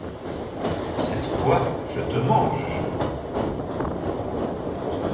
Cette fois, je te mange.